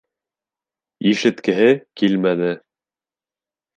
Ишеткеһе килмәне.